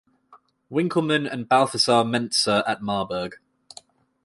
Winckelmann and Balthasar Mentzer at Marburg.